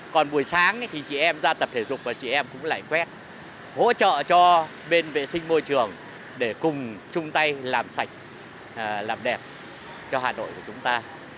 còn buổi sáng thì chị em ra tập thể dục và chị em cũng lại quét hỗ trợ cho bên vệ sinh môi trường để cùng chung tay làm sạch làm đẹp cho hà nội của chúng ta